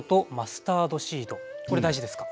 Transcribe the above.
これ大事ですか？